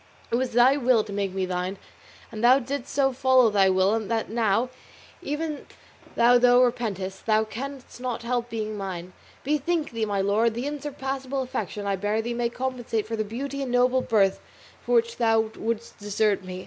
It was thy will to make me thine, and thou didst so follow thy will, that now, even though thou repentest, thou canst not help being mine. Bethink thee, my lord, the unsurpassable affection I bear thee may compensate for the beauty and noble birth for which thou wouldst desert me.